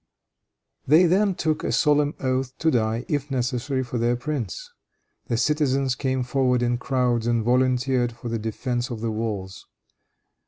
They then took a solemn oath to die, if necessary, for their prince. The citizens came forward in crowds and volunteered for the defense of the walls.